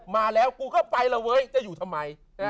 มาแล้วกูก็ไปแล้วเว้ยจะอยู่ทำไม